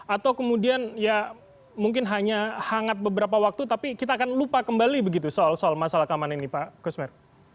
atau kemudian ya mungkin hanya hangat beberapa waktu tapi kita akan lupa kembali begitu soal soal masalah keamanan ini pak kusmir